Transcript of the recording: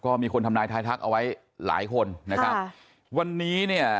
ก็มีคนทำนายทายทักเอาไว้หลายคนนะครับค่ะวันนี้เนี่ย